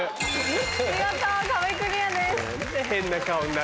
見事壁クリアです。